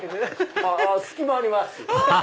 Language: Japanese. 隙間あります。